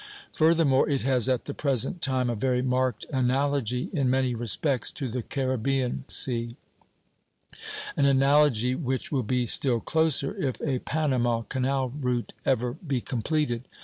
Furthermore, it has at the present time a very marked analogy in many respects to the Caribbean Sea, an analogy which will be still closer if a Panama canal route ever be completed.